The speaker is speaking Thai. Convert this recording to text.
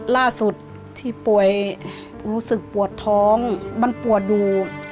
ล่าสุดที่ป่วยรู้สึกปวดท้องมันปวดอยู่